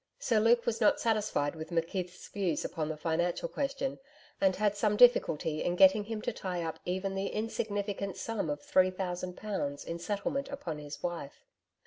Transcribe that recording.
Sir Luke was not satisfied with McKeith's views upon the financial question, and had some difficulty in getting him to tie up even the insignificant sum of three thousand pounds in settlement upon his wife.